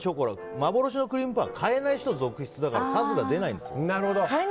幻のクリームパンは買えない人続出だから数が出ないんですよ。